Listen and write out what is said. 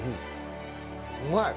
うまい！